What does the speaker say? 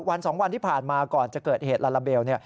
วัน๒วันที่ผ่านมาก่อนจะเกิดเหตุลาลาเบล